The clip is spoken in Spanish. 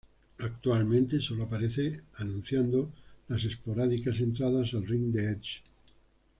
Actualmente, solo aparece anunciando las esporádicas entradas al ring de Edge.